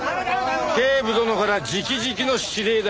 警部殿から直々の指令だ。